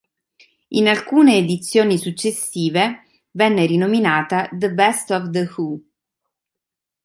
In alcune edizioni successive venne rinominata "The Best of The Who".